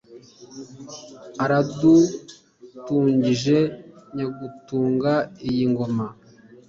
Aradutungije Nyagutunga iyi ngoma